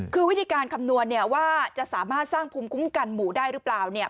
คือวิธีการคำนวณเนี่ยว่าจะสามารถสร้างภูมิคุ้มกันหมู่ได้หรือเปล่าเนี่ย